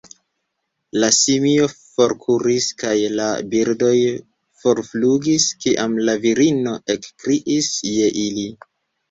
La simio forkuris kaj la birdoj forflugis, kiam la virino ekkriis je ili.